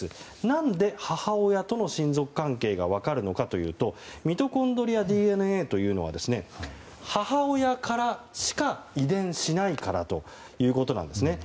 なんで母親との親族関係が分かるのかというとミトコンドリアＤＮＡというのは母親からしか遺伝しないからということなんですね。